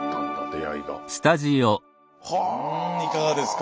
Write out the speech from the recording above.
うんいかがですか？